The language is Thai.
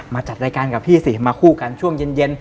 จัดรายการกับพี่สิมาคู่กันช่วงเย็น